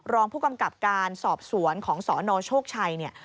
รองผู้กำกับการสอบสวนของสนโชคชัยเนี่ย